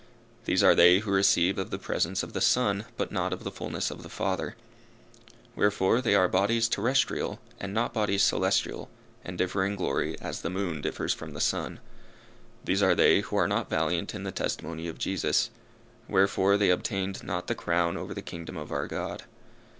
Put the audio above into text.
These are they who receive of the presence of the Son, but not of the fulness of the Father; wherefore, they are bodies terrestrial, and not bodies celestial, and differ in glory as the moon differs from the sun. These are they who are not valiant in the testimony of Jesus; wherefore they obtained not the crown over the kingdom of our God.